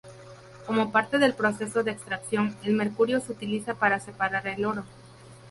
Como parte del proceso de extracción, el mercurio se utiliza para separar el oro.